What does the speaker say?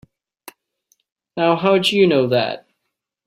Now how'd you know that?